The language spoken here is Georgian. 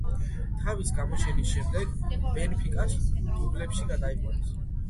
თავის გამოჩენის შემდეგ „ბენფიკას“ დუბლებში გადაიყვანეს.